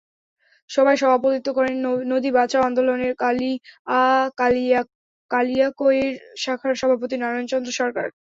সভায় সভাপতিত্ব করেন নদী বাঁচাও আন্দোলনের কালিয়াকৈর শাখার সভাপতি নারায়ণ চন্দ্র সরকার।